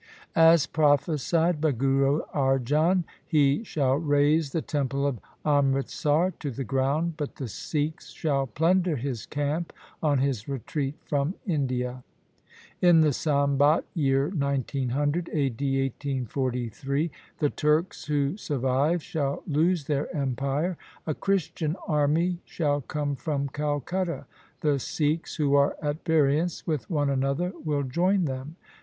As prophesied by Guru Arjan, he shall raze the temple of Amritsar to the ground, but the Sikhs shall plunder his camp on his retreat from India. ' In the Sambat year 1900 (a. d. 1843), the Turks who survive shall lose their empire. A Christian army shall come from Calcutta. The Sikhs who are at variance with one another will join them.